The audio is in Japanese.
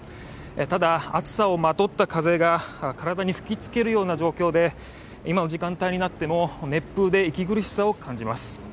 ただ、暑さをまとった風が体に吹きつけるような状況で、今の時間帯になっても熱風で息苦しさを感じます。